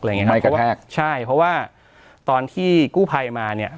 อะไรอย่างเงี้ยครับไม่กระแทกใช่เพราะว่าตอนที่กู้ภัยมาเนี้ย